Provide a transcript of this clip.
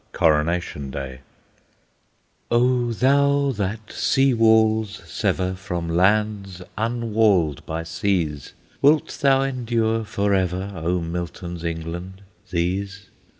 CORONATION DAY O thou that sea walls sever From lands unwalled by seas! Wilt thou endure forever, O Milton's England, these?